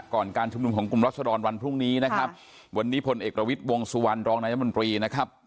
การชุมนุมของกลุ่มรัศดรวันพรุ่งนี้นะครับวันนี้พลเอกประวิทย์วงสุวรรณรองนายมนตรีนะครับ